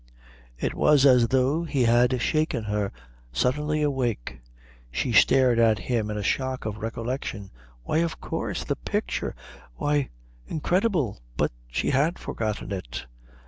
It was as though he had shaken her suddenly awake. She stared at him in a shock of recollection. Why, of course the picture. Why incredible, but she had forgotten it.